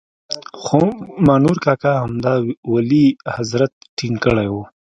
خو مامنور کاکا همدا ولي حضرت ټینګ کړی وو.